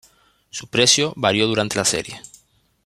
Su precio varió durante la serie.